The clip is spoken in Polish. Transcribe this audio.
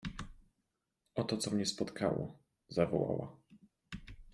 — Oto, co mnie spotkało! — zawołała.